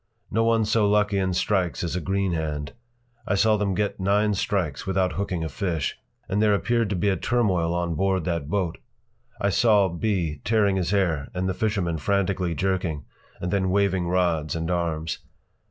No one so lucky in strikes as a green hand! I saw them get nine strikes without hooking a fish. And there appeared to be a turmoil on board that boat. I saw B. tearing his hair and the fishermen frantically jerking, and then waving rods and arms.